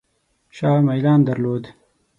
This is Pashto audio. شاه میلان درلود.